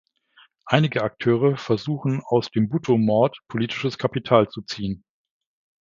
Einige Akteure versuchen, aus dem Bhutto-Mord politisches Kapital zu ziehen.